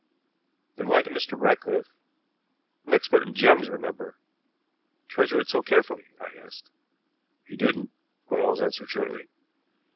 "Then why did Mr. Ratcliffe an expert in gems, remember treasure it so carefully?" I asked. "He didn't," Quarles answered shortly.